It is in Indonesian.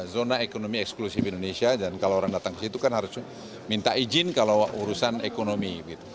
zona ekonomi eksklusif indonesia dan kalau orang datang ke situ kan harus minta izin kalau urusan ekonomi